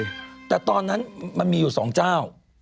แต่ตอนนั้นมันมีอยู่สองเจ้า